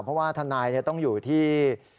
เพราะว่าทนายต้องอยู่ที่